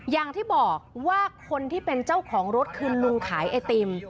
อย่างที่บอกว่าคนที่เป็นเจ้าของรถคือลุงขายไอติม